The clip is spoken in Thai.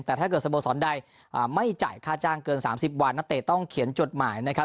แต่ถ้าเกิดสโมสรใดไม่จ่ายค่าจ้างเกิน๓๐วันนักเตะต้องเขียนจดหมายนะครับ